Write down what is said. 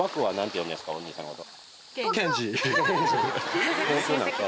お兄さんのこと。